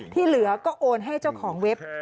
ที่เหลือก็โอนให้เจ้าของเว็บ